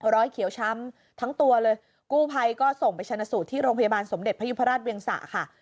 รอยเขียวช้ำทั้งตัวเลยกู้ภัยก็ส่งไปชนะสูตรที่โรงพยาบาลสมเด็จพยุพราชเวียงสะค่ะ